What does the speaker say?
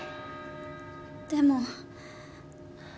でも。